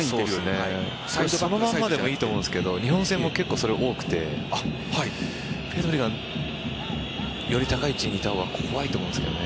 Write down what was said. このままでもいいと思うんですけど日本戦もそれが多くてペドリがより高い位置にいた方が怖いと思うんですけどね。